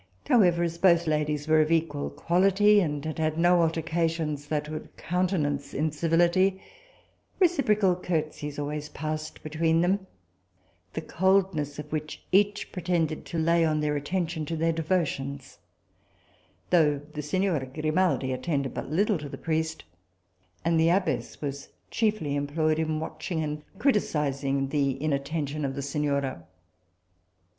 However, as both ladies were of equal quality, and had had no altercations that could countenance incivility, reciprocal curtsies always passed between them, the coldness of which each pretended to lay on their attention to their devotions, though the signora Grimaldi attended but little to the priest, and the abbess was chiefly employed in watching and criticising the inattention of the signora.